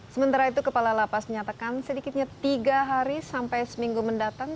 sementara itu kepala lapas menyatakan sedikitnya tiga hari sampai seminggu mendatang